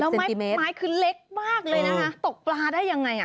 แล้วไม้คือเล็กมากเลยนะคะตกปลาได้ยังไงอ่ะ